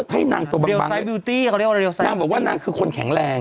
ให้นางตัวบังนางบอกว่านางคือคนแข็งแรง